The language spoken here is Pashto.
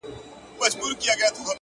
اور او اوبه یې د تیارې او د رڼا لوري’